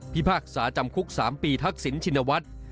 พากษาจำคุก๓ปีทักษิณชินวัฒน์